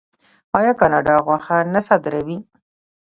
آیا کاناډا غوښه نه صادروي؟